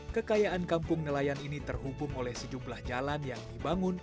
kekayaan kampung nelayan ini terhubung oleh sejumlah jalan yang dibangun